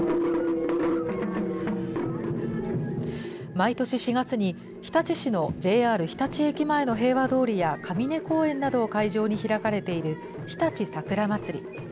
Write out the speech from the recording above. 毎年４月に日立市のＪＲ日立駅前の平和通りやかみね公園などを会場に開かれている日立さくらまつり。